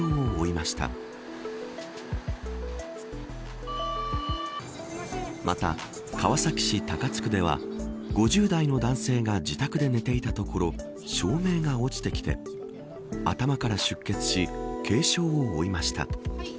また川崎市、高津区では５０代の男性が自宅で寝ていたところ照明が落ちてきて頭から出血し軽傷を負いました。